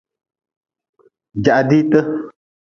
Jaha diite.